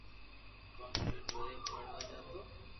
ڪوم ڪرين وري پڙوا جاتو